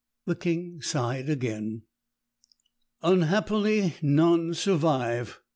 The King sighed again. "Unhappily, none survive.